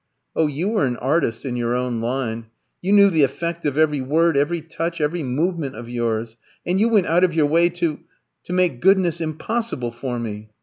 Oh, you were an artist in your own line! You knew the effect of every word, every touch, every movement of yours, and you went out of your way to to make goodness impossible for me.